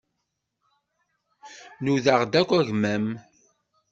Nudaɣ-d akk agmam.